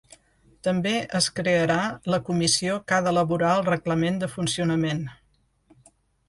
També es crearà la comissió que ha d’elaborar el reglament de funcionament.